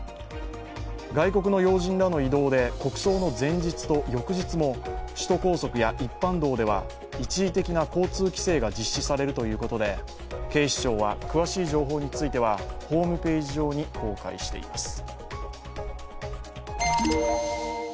外国の要人らの移動で、国葬の前日と翌日も首都高速や一般道では一時的な交通規制が実施されるということで警視庁は詳しい情報についてはホームページ上に公開しています。